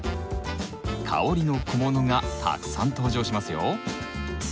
香りの小物がたくさん登場しますよ！